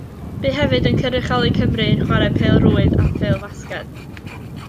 Bu hefyd yn cynrychioli Cymru yn chwarae pêl-rwyd a phêl-fasged.